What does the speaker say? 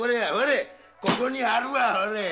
ここにあるわホレ！